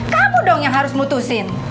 kamu dong yang harus mutusin